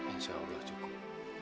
insya allah cukup